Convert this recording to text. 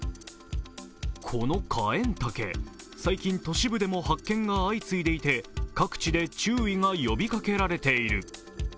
このカエンタケ、最近、都市部でも発見が相次いでいて、各地で注意が呼びかけられている。